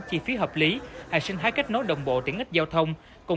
chi phí hợp lý hệ sinh thái kết nối đồng bộ tiện ích giao thông